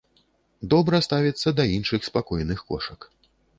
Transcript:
Добра ставіцца да іншых спакойных кошак.